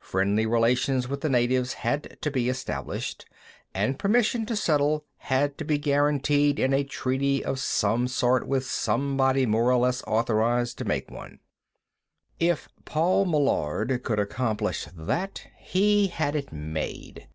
Friendly relations with the natives had to be established, and permission to settle had to be guaranteed in a treaty of some sort with somebody more or less authorized to make one. If Paul Meillard could accomplish that, he had it made.